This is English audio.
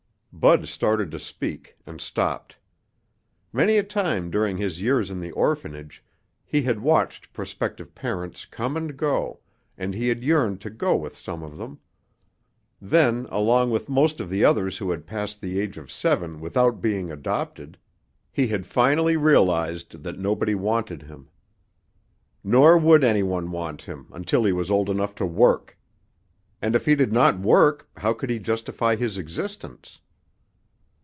Bud started to speak and stopped. Many a time during his years in the orphanage he had watched prospective parents come and go, and he had yearned to go with some of them. Then, along with most of the others who had passed the age of seven without being adopted, he had finally realized that nobody wanted him. Nor would anybody want him until he was old enough to work. And if he did not work, how could he justify his existence?